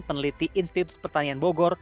peneliti institut pertanian bogor